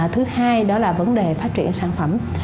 thứ hai đó là vấn đề phát triển sản phẩm